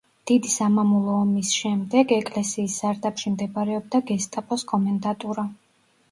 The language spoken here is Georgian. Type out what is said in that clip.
დიდი სამამულო ომის შემდეგ ეკლესიის სარდაფში მდებარეობდა გესტაპოს კომენდატურა.